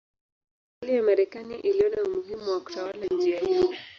Serikali ya Marekani iliona umuhimu wa kutawala njia hii.